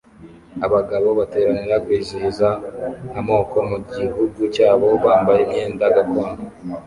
Abagabo bateranira kwizihiza amoko mugihugu cyabo bambaye imyenda gakondo